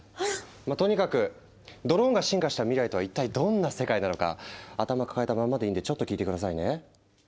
まぁとにかくドローンが進化した未来とは一体どんな世界なのか頭抱えたまんまでいいんでちょっと聞いて下さいね。